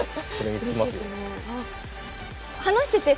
うれしいですね。